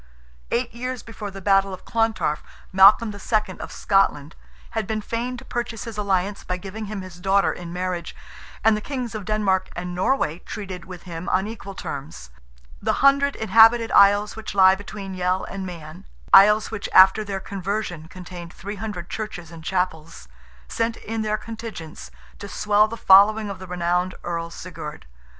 Eight years before the battle of Clontarf, Malcolm II., of Scotland, had been feign to purchase his alliance, by giving him his daughter in marriage, and the Kings of Denmark and Norway treated with him on equal terms. The hundred inhabited isles which lie between Yell and Man,—isles which after their conversion contained "three hundred churches and chapels"—sent in their contingents, to swell the following of the renowned Earl Sigurd.